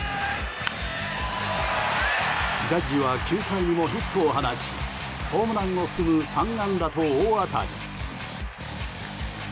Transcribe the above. ジャッジは９回にもヒットを放ちホームランを含む３安打と大当たり。